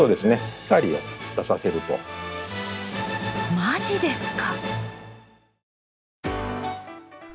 マジですか？